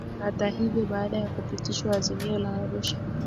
Hata hivyo baada ya kupitishwa Azimio la Arusha